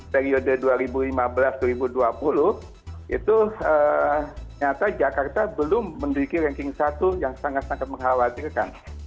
periode dua ribu lima belas dua ribu dua puluh itu ternyata jakarta belum menduduki ranking satu yang sangat sangat mengkhawatirkan